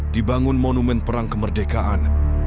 dibangun monumen perang kemerdekaan